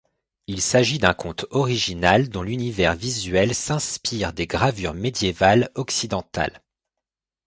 Il s'agit d'un conte original dont l'univers visuel s'inspire des gravures médiévales occidentales.